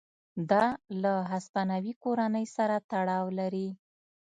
دا له هسپانوي کورنۍ سره تړاو لري.